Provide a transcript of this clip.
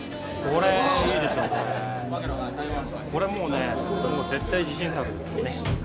これもうね絶対自信作です。